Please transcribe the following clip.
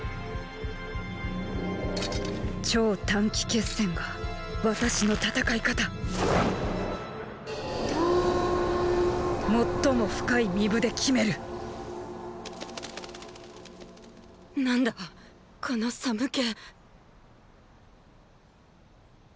超短期決戦が私の戦い方トーーーン最も深い巫舞で決める何だこの寒気。